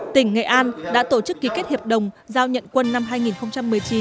tỉnh nghệ an đã tổ chức ký kết hiệp đồng giao nhận quân năm hai nghìn một mươi chín